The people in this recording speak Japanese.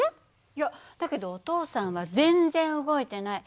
いやだけどお父さんは全然動いてない。